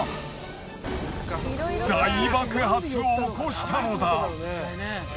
大爆発を起こしたのだ。